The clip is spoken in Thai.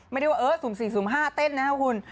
ไม่ได้ว่าเออ๐๔๐๕เต้นนะครับคุณ